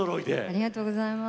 ありがとうございます。